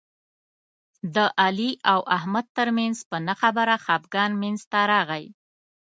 د علي او احمد ترمنځ په نه خبره خپګان منځ ته راغی.